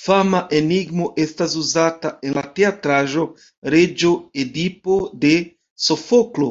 Fama enigmo estas uzata en la teatraĵo "Reĝo Edipo" de Sofoklo.